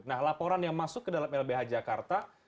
nah laporan yang masuk ke dalam lbh jakarta